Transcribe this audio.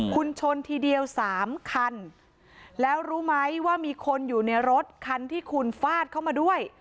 คุณชนทีเดียวสามคันแล้วรู้ไหมว่ามีคนอยู่ในรถคันที่คุณฟาดเข้ามาด้วย